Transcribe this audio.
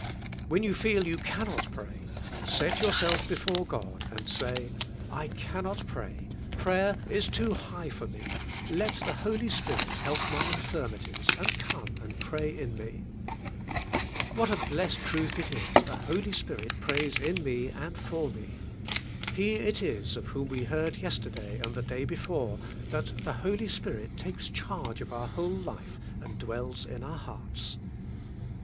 When you feel you cannot pray, set your self before God and say, I cannot pray, prayer is too high for me, let the Holy Spirit help my infirmi ties and come and pray in me. Vv^hat a blessed 96 THK SPIRITUAI, I.IFK. truth it is the Holj Spirit prays in me and for me. He it is of whom we heard yesterday and the day before, that the Holy Spirit takes charg e of our v/hole life and dwells in our hearts.